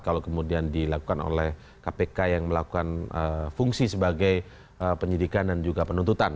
kalau kemudian dilakukan oleh kpk yang melakukan fungsi sebagai penyidikan dan juga penuntutan